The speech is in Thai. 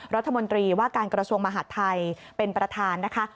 รัฐมนตรีว่าการกระทรวงมหาดไทยเป็นประธานนะคะ